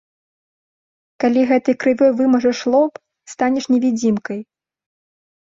Калі гэтай крывёй вымажаш лоб, станеш невідзімкай.